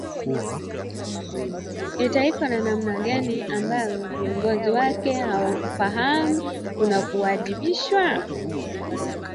Ni taifa la namna gani ambalo viongozi wake hawafahamu kuna kujiwajibisha?